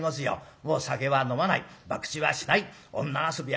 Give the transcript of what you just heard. もう酒は飲まないばくちはしない女遊びはしない